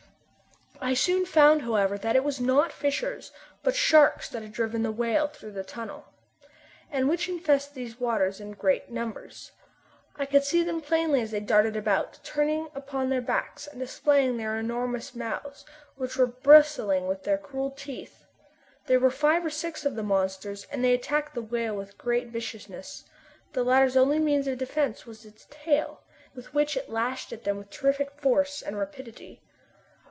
I soon found, however, that it was not fishers, but sharks that had driven the whale through the tunnel, and which infest these waters in great numbers. I could see them plainly as they darted about, turning upon their backs and displaying their enormous mouths which were bristling with their cruel teeth. There were five or six of the monsters, and they attacked the whale with great viciousness. The latter's only means of defence was its tail, with which it lashed at them with terrific force and rapidity.